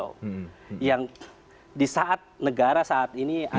juga menggunakan versolia